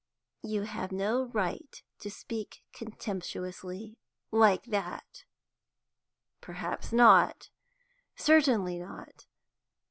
You have no right to speak contemptuously, like that." "Perhaps not. Certainly not.